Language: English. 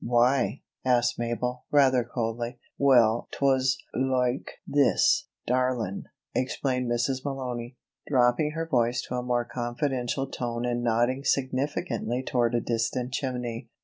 "Why?" asked Mabel, rather coldly. "Well, 'twas loike this, darlin'," explained Mrs. Malony, dropping her voice to a more confidential tone and nodding significantly toward a distant chimney.